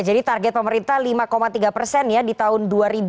jadi target pemerintah lima tiga persen ya di tahun dua ribu dua puluh tiga